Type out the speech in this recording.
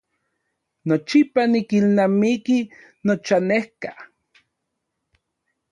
Nochipa nikilnamiki nochanejka.